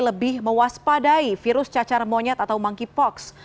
lebih mewaspadai virus cacar monyet atau monkeypox